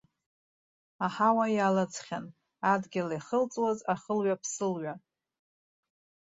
Аҳауа иалаӡхьан, адгьыл иахылҵуаз ахылҩа-ԥсылҩа.